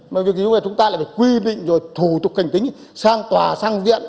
mà việc như vậy chúng ta lại phải quy định rồi thủ tục hành tính sang tòa sang viện